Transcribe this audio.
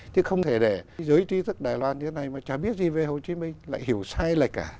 thì không thể để giới trí thức đài loan như thế này mà chả biết gì về hồ chí minh lại hiểu sai lại cả